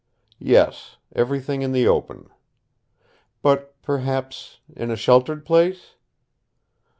"Yes. Everything in the open." "But perhaps in a sheltered place